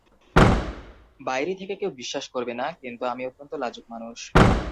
বাইরে থেকে কেউ বিশ্বাস করবে না, কিন্তু আমি অত্যন্ত লাজুক মানুষ।